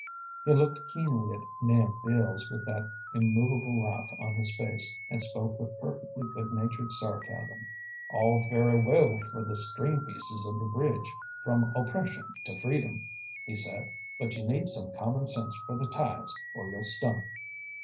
He looked keenly at Nahum Beals with that immovable laugh on his face, and spoke with perfectly good natured sarcasm. "All very well for the string pieces of the bridge from oppression to freedom," he said, "but you need some common sense for the ties, or you'll slump."